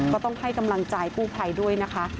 ก็ต้องให้กำลังใจกู้ภัยด้วยนะคะ